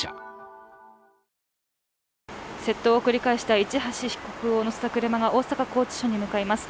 窃盗を繰り返した市橋被告を乗せた車が大阪拘置所に向かいます。